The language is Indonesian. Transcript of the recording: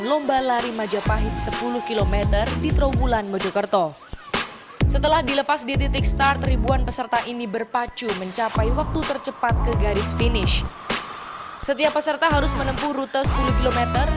lomba lari majapahit sepuluh km di trowulan kabupaten mojokerto